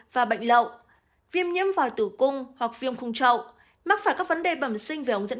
và bệnh lậu viêm nhiễm vòi tử cung hoặc viêm khung trậu mắc phải các vấn đề bẩm sinh về ống dẫn